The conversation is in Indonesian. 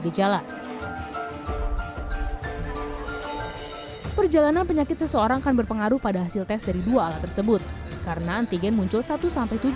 gejala perjalanan penyakit seseorang akan berpengaruh pada hasil tes dari dua alat tersebut